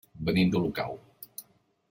Venim d'Olocau.